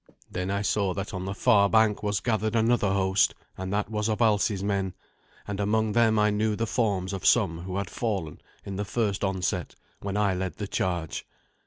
Then I saw that on the far bank was gathered another host, and that was of Alsi's men, and among them I knew the forms of some who had fallen in the first onset when I led the charge.